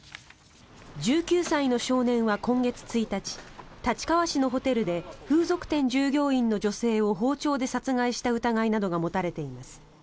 １９歳の少年は今月１日立川市のホテルで風俗店従業員の女性を包丁で殺害した疑いなどが持たれています。